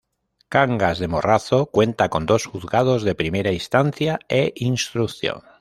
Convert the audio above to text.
Cangas de Morrazo cuenta con dos Juzgados de Primera Instancia e Instrucción.